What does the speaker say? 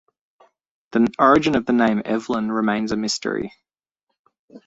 The origin of the name 'Evelyn' remains a mystery.